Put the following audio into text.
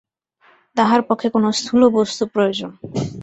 তাহার পক্ষে কোন স্থূল বস্তু প্রয়োজন।